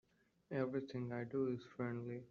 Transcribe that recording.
Everything I do is friendly.